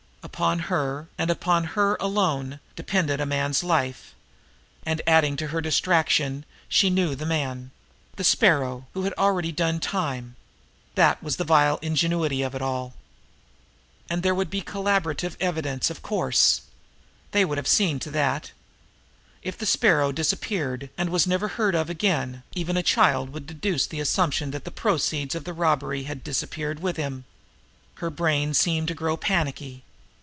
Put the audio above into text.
Upon her, and upon her alone, depended a man's life, and, adding to her distraction, she knew the man the Sparrow, who had already done time; that was the vile ingenuity of it all. And there would le corroborative evidence, of course; they would have seen to that. If the Sparrow disappeared and was never heard of again, even a child would deduce the assumption that the proceeds of the robbery had disappeared with him. Her brain seemed to grow panicky.